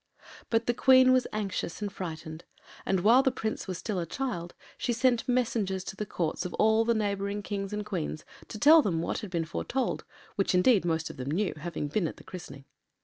But the Queen was anxious and frightened, and while the Prince was still a child she sent messengers to the Courts of all the neighbouring Kings and Queens to tell them what had been foretold, which, indeed, most of them knew, having been at the christening.